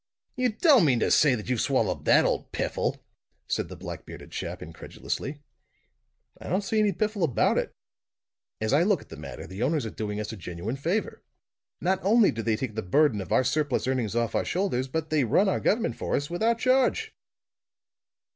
"You don't mean to say that you've swallowed that old piffle!" said the black bearded chap incredulously. "I don't see any piffle about it. As I look at the matter, the owners are doing us a genuine favor. Not only do they take the burden of our surplus earnings off our shoulders, but they run our government for us without charge."